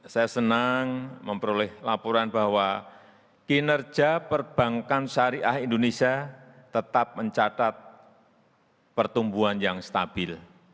saya senang memperoleh laporan bahwa kinerja perbankan syariah indonesia tetap mencatat pertumbuhan yang stabil